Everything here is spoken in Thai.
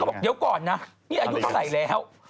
บอกเดี๋ยวก่อนนะนี่อายุเท่าไหร่แล้ว